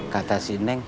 kata si neng